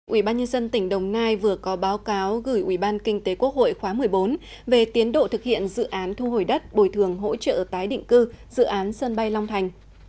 ủy ban nhân dân tỉnh đồng nai vừa có báo cáo gửi ủy ban kinh tế quốc hội khóa một mươi bốn về tiến độ thực hiện dự án thu hồi đất bồi thường hỗ trợ tái định cư dự án sân bay long thành